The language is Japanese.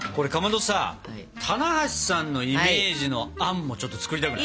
どさ棚橋さんのイメージのあんもちょっと作りたくない？